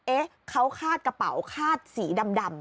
เอ๊ะเขาคาดกระเป๋าคาดสีดำ